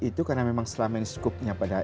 itu karena memang selama ini skupnya pada